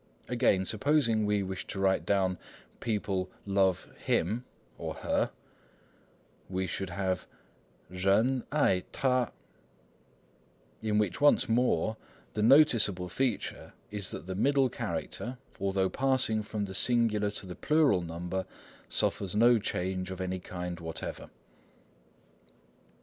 Again, supposing we wished to write down— "People love him (or her)," we should have— 人爱他 jen ai t'a, in which once more the noticeable feature is that the middle character, although passing from the singular to the plural number, suffers no change of any kind whatever.